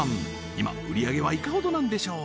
今売上げはいかほどなんでしょう？